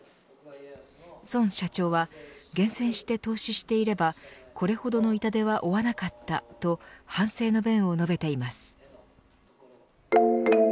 孫社長は厳選して投資していればこれほどの痛手は負わなかったと反省の弁を述べています。